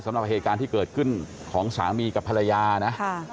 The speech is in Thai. สำหรับเหตุการณ์ที่เกิดขึ้นของสามีกับภรรยานะ